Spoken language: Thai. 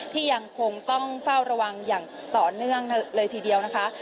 ยังคงต้องเฝ้าระวังอย่างต่อเนื่องเลยทีเดียวนะคะ